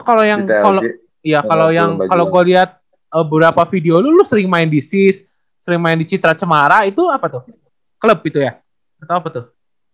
itu kalau yang kalau iya kalau yang kalau gue liat beberapa video lu lu sering main di sis sering main di citra cemara itu apa tuh klub gitu ya atau apa tuh